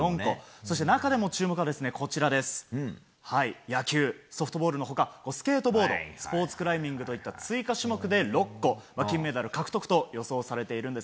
そして中でも注目は野球、ソフトボールの他スケートボードスポーツクライミングといった追加種目で６個金メダル獲得と予想されているんです。